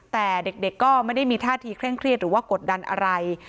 แต่เด็กก็ไม่ได้มีท่าทีเคร่งเครียดหรือว่ากดดันอะไร